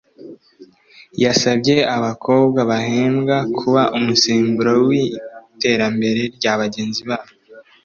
yasabye abakobwa bahembwe kuba umusemburo w’iterambere rya bagenzi babo